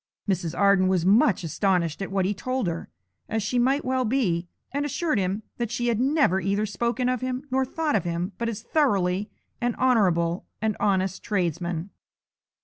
Mrs. Arden was much astonished at what he told her, as she might well be, and assured him that she had never either spoken of him nor thought of him but as thoroughly an honourable and honest tradesman.